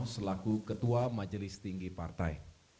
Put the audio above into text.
selaku ketua majelis tinggi partai